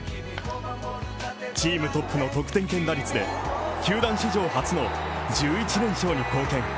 チームトップの得点圏打率で球団史上初の１１連勝に貢献。